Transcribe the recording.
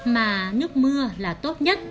mà nước mưa là tốt nhất